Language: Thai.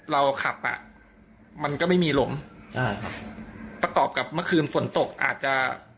เราขับอ่ะมันก็ไม่มีลมใช่ครับประกอบกับเมื่อคืนฝนตกอาจจะ